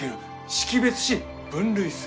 識別し分類する。